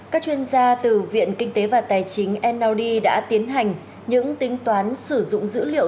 các chuyên gia từ viện kinh tế và tài chính nld đã tiến hành những tính toán sử dụng dữ liệu